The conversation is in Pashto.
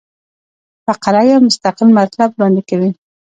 فقره یو مستقل مطلب وړاندي کوي.